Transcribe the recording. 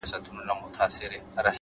زحمت د ارمانونو ریښې ژوروي.!